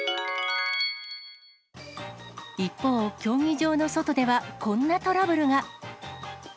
一方、競技場の外では、こんなトラブルが。